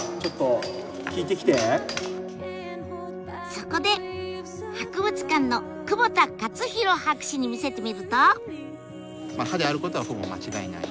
そこで博物館の久保田克博博士に見せてみると。